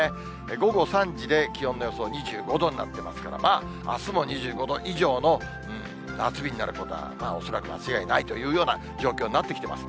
午後３時で気温の予想２５度になっていますから、まああすも２５度以上の夏日になることは、恐らく間違いないというような状況になってきてます。